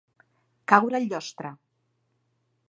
Caure el llostre.